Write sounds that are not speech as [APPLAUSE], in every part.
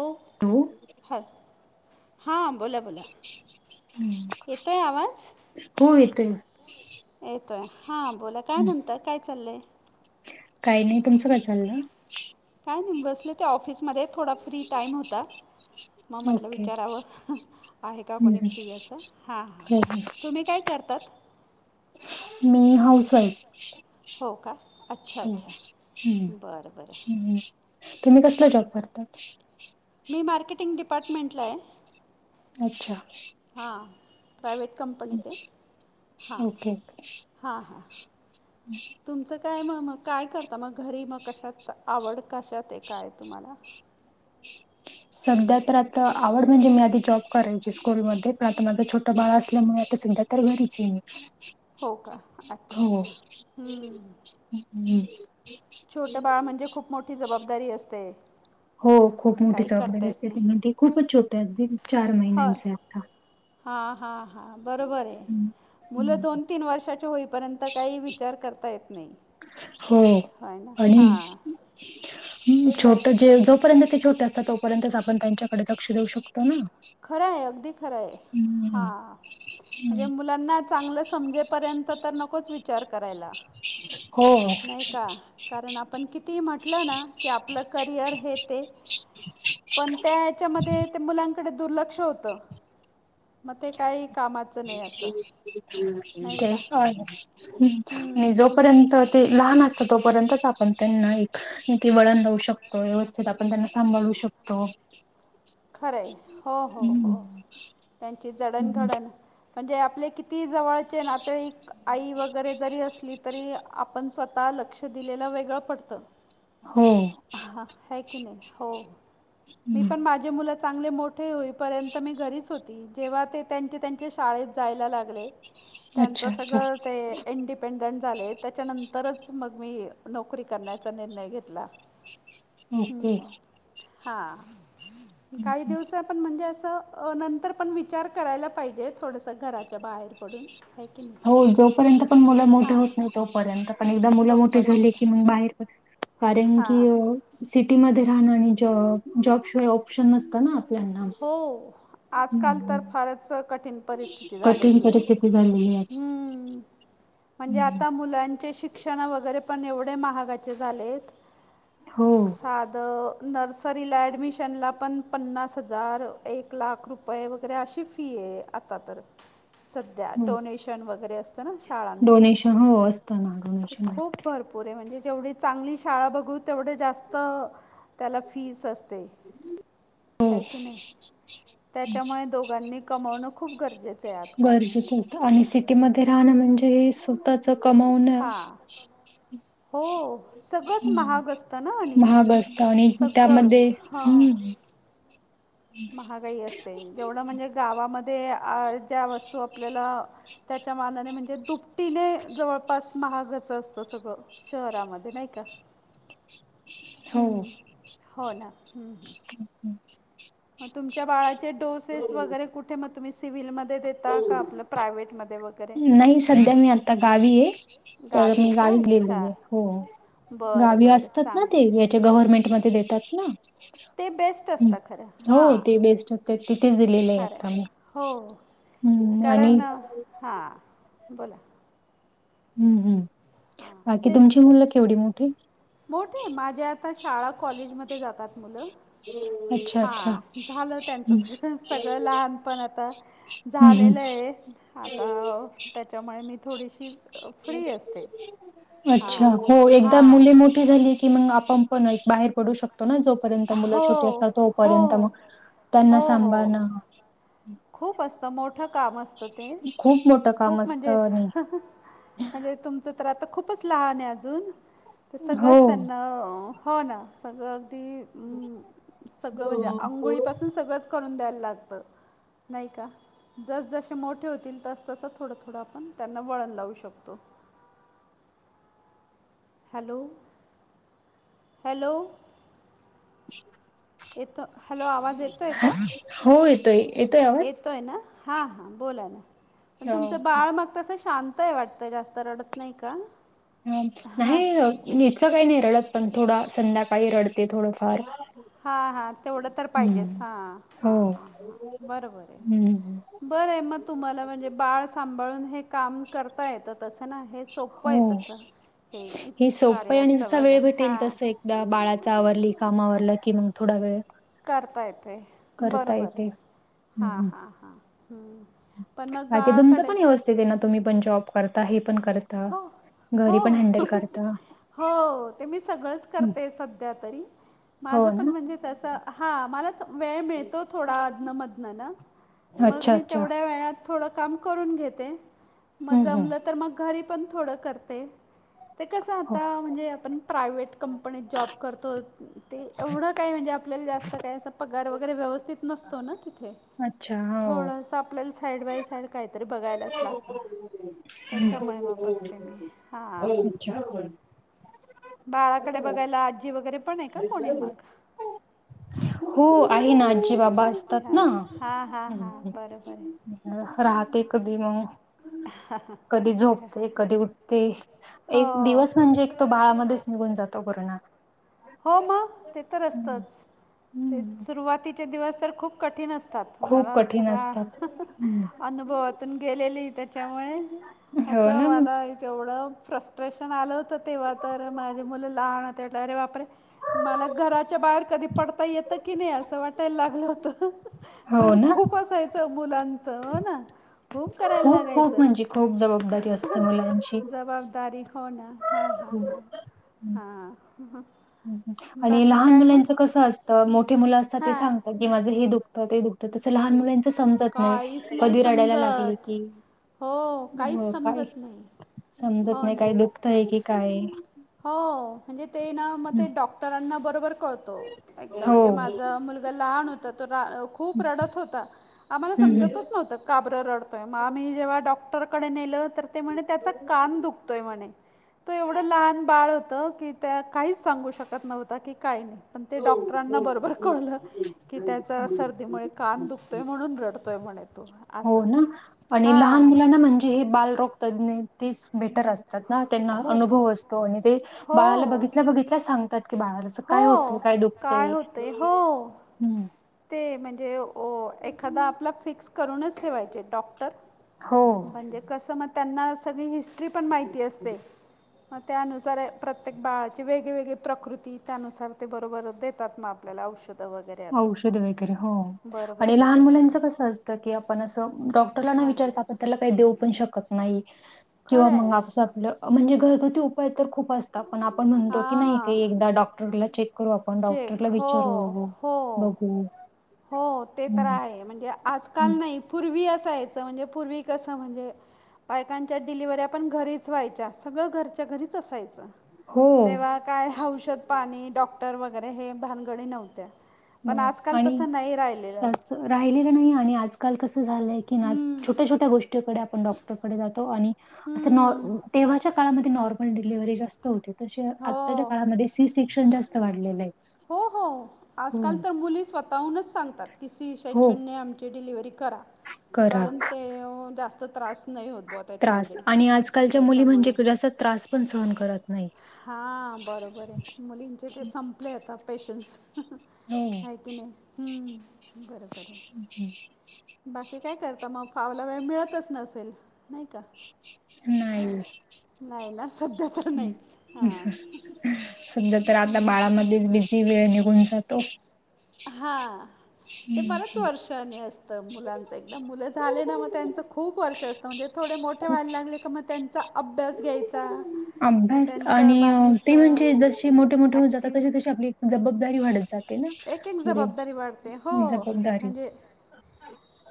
ओ अहो. ह हा बोला बोला येतोय आवाज? हो येतोय. येतोय हां बोला काय म्हणता काय चाललंय? काय नाही तुमचं काय चाललं? काय नाही बसले ते ऑफिसमध्ये थोडा फ्री टाइम होता. मग म्हटलं ओके विचारावं आहे का हं, कोणी हं. फ्री असं हां हां. हो, हो. तुम्ही काय करतात? मी हाऊस वाईफ. हो का अच्छा हो. अच्छा हं, बरं बरं. हं. तुम्ही कसला जॉब करतात? मी मार्केटिंग डिपार्टमेंटला आहे. अच्छा. हा. प्रायवेट कंपनी आहे हा ओके हा हा. तुमचं काय मग मग काय करता मग घरी मग कशात आवड कशात आहे काय तुम्हाला? [INAUDIBLE] सध्या तर आता आवड म्हणजे मी आधी जॉब करायची स्कूलमध्ये पण आता माझं छोटं बाळ असल्यामुळे आता सध्या तर घरीच आहे हो मी का अच्छा हो. अच्छा हम्म. हम्म. छोटं बाळ म्हणजे खूप मोठी जबाबदारी असते. हो खूप मोठी काही करता जबाबदारी येत असते नाही ती म्हणजे खूपच छोटय अगदी चार महिन्यांच आहे आता. हा, हा, हा बरोबर आहे हं. मुलं हं. दोन, तीन वर्षाचे होईपर्यंत आता काही विचार करता येत नाही हो होय ना आणि हां ते छोट जे गरजेचं जो पर्यंत ते छोटे असतात तोपर्यंत आपण त्यांच्याकडे लक्ष देऊ शकतो ना खरं आहे अगदी खरं आहे हं, हा म्हणजे हं. मु लाना चांगलं समजेपर्यंत तर नकोच वि चार करायला हो नाही का कारण आपण कितीही म्हटलं ना की आपलं करिअर हे ते पण त्या याच्यामध्ये ते मुलांकडे दुर्लक्ष होतं मग ते काही कामाचं नाही असं नाही ते का हं, आणि जोप पर्यंत ते लहान असतं तोपर्यंतच आपण त्यांना एक की वळण लाऊ शकतो व्यवस्थित आपण त्यांना सांभाळू शकतो खरंय हो, हो, हं. हो त्यांची हं, जडणघडण म्हणजे आपले कि कती जवळचे नातेवाईक आई वगैरे जरी असली तरी आपण स्वतः लक्ष दिलेल वेगळं पडतं हो हा हय की नाही हो मी हं. पण माझ माझे मुलं चांगले मोठे होईपर्यंत मी घरीच होती जेव्हा ते त्यांचे त्यांच्या शाळेत जायला लागले त्यांचं अच्छा, अच्छा. सगळं ते इंडिपेंडंट झाले त्याच्यानंतरच मग मी नोकरी करण्याचा निर्णय घेतला ओके हा हं, काही हं. दिवसात ण म्हणजे असं नंतर पण विचार करायला पाहिजे थोडस घराच्या बाहेर पडून है की हो नाही जोपर्यंत पण मुलं मोठे हां होत नाही तोपर्यंत पण एकदा मुलं मोठीे झाली तोपर्यंत की मग बाहेर पडा कारण की हां अं सिटीमध्ये राहणं आणि जॉ जॉबशिवाय ऑप्शन नसतं ना आपल्याना हो आजकाल तर फारच कठीण परिस्थिती कठीण झालेलीये परिस्थिती झालेली आहे. हमं म्हणजे हम्म आता मुलांचे शिक शिक्षण वगैरे पण एवढे महागाचे झालेत हो साध नर्सरीला ऍडमिशनला पण पन्नास हजार एक लाख रुपये वगैरे अशी फी आहे आता तर सध्या हो डोनेशन वगैरे असत ना शाळांचं डोनेशन हो असतं ना तर डोनेशन खूप भरपू पुरे म्हणजे जेवढी चांगली शाळा बघू तेवढे जास्त त्याला फीस असते हो आहे की नाही त्याच्यामुळे दोघांनी कमवणं खूप गरजे गरजेचं असत आणि सिटीमध्ये नाही राहणं म्हणजे ही सु तःच कमावणं हां हो सगळंच महाग असतं ना आणि महाग असत आणि त्यामध्ये सगळंच हां हम्म महागाई असते जेवढं म्हणजे गावामध्ये ज्या वस्तू आपल्याला त्याच्या मानाने म्हणजे दुपटीने जवळपास महागचं असतं सगळं शहरामध्ये नाही का [UNINTELLIGIBLE] हम्म हो ना हम्म [UNINTELLIGIBLE] ग तुमच्या बाळाचे डोसेस वगैरे कुठे मग तुम्ही सिव्हलमध ते देता का आपलं प्रायव्टमध्ये वगैरे. नाही सध्या मी आता गावी आहे. तर मी आहे का गावी गेली अच्छा आहे, हो बरं गावी बरं असतात ना चांगलं ते आहे ते गव्हर्मेंट मध्ये देतात ना? ते बेस्ट हम् असतं खरं हो हां ते बेस्ट होते. तिथेच दिलेले आहे खरं आता मी. हो हम्म आणि कारण हां बोला. हम्म हम्म. हां बाकी तेच तुमची मुलं केवढी मोठी? मोठे माझ्या आता शाळा कॉलेजमध्येध्ये जातात मुलं. अच्छा, हा अच्छा. झालं त्यांचं हं, सगळं, सगळं लहानपण आता. हं, हं. झालेलं आहे आता त्याच्यामुळे मी थोडीशी फ्री असते अच्छा! हां हो एकदा हां मुले मोठ की मग आपण पण बाहेर पडू शकतो ना जो र्य मुलं हो छटी असतात. हो तोपर्यंत मग त्यांना हो हो सांभाळणं. खूप असतं मोठं काम असतं ते खूप मोठं काम खूप म्हणजे, असतं आणि आणि तुमचं तर आता खूपच लहान आहे अजून तर हो. सगळंच त्यांना- हो ना सगळं अगदी सगळं म्हणजे आंघोळीपासून सगळंच- करून द्याय लागतं. नाही का जसजसे मोठे होतील तस तसं थोडं थोडं आपण त्यांना वळण लावू शकतो. हॅलो हॅलो येतो हॅलो आवाज येतोय का? हो, येतोय. येतोय येत आवाज? येतोय ना हा हा बोला ना प हो, तुमचं बाळ मग- तसं शांत आहे वाटतं जास्त रडत नाही का? नाही मी इतकं काही नाही रडत पण थोडा संध्याकाळी रडते थोडंफार- हा हा तेवढं तर पाहिजेच हं, हा हा हां हो. हां बरोबर आहे. हं, बरं आहे मग तुम्हाला म्हणजे बाळ सांभाळून हे काम करता येतं तसं. तर ना हे सोपं आहे हो. तसं हे कार्याचं वगैरे हा, बाळाच आवरली काम आपलं - करता येते करता बरोंबर येते. आहे हं, हां हं. हां हां हा बाकी तुमचं पण व्यवस्थितेत ना तुम्ही पण जॉब करता हे पण करता. हो घरी हो पण हँडल करत- हो ते मी सगळंच करते सध्या तरी हो माझं पण ना? म्हणजे तसं- हा मला वेळ मिळतो थोडा अधनंमधनं मग अच्छा, मी थोडा मग अच्छा. थोड्या वेळात थोडं काम करून घेते, मग हं, हं. जमलं तर घरी- थोड करते ते कस हो. आता म्हणजे आपण- प्रायव्हेट कंपनीत जॉब करतो ते एवढं काही म्हणजे, आपल्याला जास्त काय अस पगार वगैरे व्यवस्थित नसतो ना तिथे. अच्छा, हो. थोडस आपल्याला साईड बाय साईड- काहीतरी बघायलाच लागत, हं. त्यांच्यामुळे मग बघते मी हा. ह हो [UNINTELLIGIBLE] बाळाकडे बघायला आजी वगैरे पण आहे का? हो कोणी [UNINTELLIGIBLE] मग हो आहे ना आजी बाबा असतात अच्छा ना, हां हां हां बरं बरं राहते कधी मग कधी झोपते कधी उठ- ते एक हो दिवस म्हणजे एक तो बाळामध्येच निघून जातो पूर्ण. हो मग ते तर असतच ते हम्म. सुरुवातीचे दिवस तर खूप कठीण असत. तर खूप तुम्हाला कठीण सगळ्या असतात. हम्म. अनुभवातून गेलेली तर त्यामुळे हो असं ना, मला जेवढं फ्रस डिप्रेशन आलं होतं तेव्हा तर माझे मुलं लहान होते तेव्हा तरी अरे बापरे मला घराच्या बाहेर कधी पडता येतं की नाही असं वाटायला लागलं होत हो कारण ना, खूप असायचं मुलांचं हो ना खूप करायला खूप खूप लागायचं म्हणजे खूप जबाबदारी असते मुलांची. जबाबदारी हो ना हां हां हम्म. हां हां हम्म. आणि बाकी लहान काय मग? मुलांच कस असतं मोठे मुलं असतात ते हां. सांगतात की माझं हे दुखतं ते दुखतं तस लहान मुलांच समजत नाही काहीच नाही कधी रडायला लागले समजत. की हो काहीच हो काय समजत नाही. समजत हो नाही ना. काही दुखतय की काय हो म्हणजे ते ना मग ते डॉक्टरांना बरोबर कळत एकदा हो. म्हणजे माझ मु लहान होता तो खूप हम्म रडत होता आम्हाला हम्म. समजतच नव्हतं का बर रडतोय मग आम्ही जेव्हा डॉक्टरकडे नेलं ते म्हने त्याचा कान दुखतोय म्हने तो एवढ लहान बाळ होतं की त्या काहीच सांगू शकत नव्हत की काय पण ते डॉक्टरांना बरोबर कळलं की त्याचा सर्दीमुळे कान दुखतोय म्हणून रडतोय म्हणे तो हो असं ना आणि लहान हां मुलांना म्हणजे हे बालरोग तज्ञ तेच बेटर असत. त्यांना त्यांना खूप अनुभव असतो आणि ते हो बाळाला बघितल्या बघितल्या सांगतात की बाळाला काय होतय हो काय दुखतय, होते हो हम्म. ते म्हणजे... हो एखादा आपला फिक्स करूनच ठेवायचे डॉक्टर हो म्हणजे... कस मग त्यांना सगळी हिस्ट्री पण माहिती असते. मग त्यानुसार प्रत्येक बाळाची वेगवेेगळी प्रकृती त्यानुसार ते बरोबर देतात म आपल्याला औषध... त वगैरे अस. आरे हो लहान असं मुलांच कस असत की आपण अस डॉक्टरला न हां विचारता... त्याला काही देऊ पण शकत नाही, किंवा खरं आहे मग आजच आपल... म्हणजे घरगुती उपाय तर खूप असतात पण आप... आपण म्हणतो की नाही हां काही एकदा डॉक्टरला चेक करू आपण चेक डॉक्टरला हो विचारू... हो हम्म. हो ते तर आहे, म्हणजे आजकाल हं. नाही पूर्वी असायच म्हणजे पूर्वी कस म्हणजे... बायकांच्या डिलिव्हर्या पण घरीच व्हायच्या सगळ घरच्या घरीच असायच. हो. तेव्हा काय औषध पाणी डॉक्टर वगैरे हे भानगडी नव्हत्या. पण आजकाल तस नाही राहिलेल. राहिलेल नाही आणि आजकाल कस झालय की आज हम्म, छोट्या छोट्या गोष्टीकडे आपण डॉ.... डॉ. जातो आणि अस हम्म. तेव्हाच्या काळामध्ये नॉर्मल डिलिव्हरी जास्त होते. तसे आत्ताच्या हो काळामध्ये सी सेक्शन जास्त वाढलेल आहे. हो हो. हो, आजकाल तर मुली स्वतःहूनच सांगतात सी हो. शेक्ससेने आमची डिलिव्हरी करा. करा कारण ते जास्त त्रास नाही होत बा. त्रास आणि आजकालच्या मुली म्हणजे जास्त त्रास पण सहन करत नाही. हा बरोबर आहे मुलींचे ते संप... संपले आता पेशन्स हंह आहे हो. की नाही बर बर हे. [UNINTELLIGIBLE] बाकी काय करता मग फावला वेळ मिळतच नसेल? नाही का. नाही. नाही ना सध्या तर हं. नाहीच हं. हा. सध्या तर आता बाळा मध्येच बिझी वेळ निघून जातो. हा, ते हं. बरेच हं. वर्षाने अस तर मुलांच एकदम मुल झाले ना मग त्यांच खूप वर्ष असत म्हणजे थोडे मोठे खूप व्हायला लागले की मग त्यांचा अभ्यास घ्यायचा मग अभ्यास आणि त्यांचं अं ते बाकीचं म्हणजे जसे मोठे मोठे होत जातात ॲक्टिव तशी तशी आपली जबाबदारी वाढत जात. एक एक जबाबदारी वाढते हो जबाबदारी म्हणजे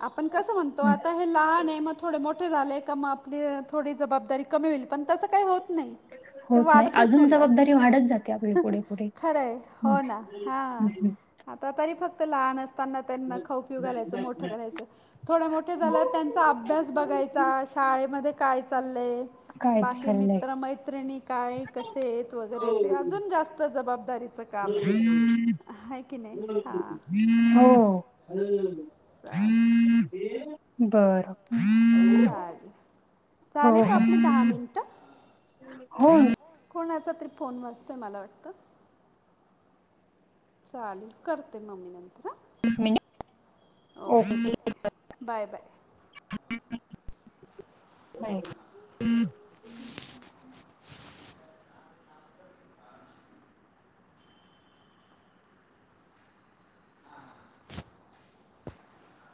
आपण कस म्हणतो हं. आता होय लहान आहे मग थोडे मोठे झाले का मग आपली थोडी जबाबदारी कमी होईल पण तस काही होत नाही ते होत नाही वाढतेच अजून उलट जबाबदारी वाढत जाते आपली पुढे पुढे खरय हं. हो ना हा. हं. हं. आता तरी फक्त लहान असताना त्यांना खाऊ पिऊ घालायच मोठ करायच थोडे मोठे झाल्यावर त्यांचा अभ्यास बघायचा शाळेमध्ये काय चाललय काय बाकी चाललंय? मित्र मैत्रिणी काय कसे आहेत वगैरे ते अजून जास्त जबाबदारी [UNINTELLIGIBLE] हात की नाही हा! हो बर! चाल हो झाले का हो आपली दहा मिनिट? हो. कोणाचा तरी फोन वाजतोय मला वाटत. चालेल करते म मी नंतर मिनिट. ह ओके बाय. Bye bye! [UNINTELLIGIBLE] [UNINTELLIGIBLE]